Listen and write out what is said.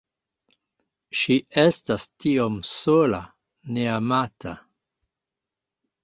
Ŝi estas tiom sola... ne amata